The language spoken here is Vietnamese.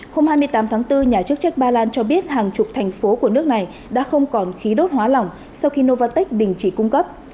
hôm hai mươi tám tháng bốn nhà chức trách ba lan cho biết hàng chục thành phố của nước này đã không còn khí đốt hóa lỏng sau khi novartech đình chỉ cung cấp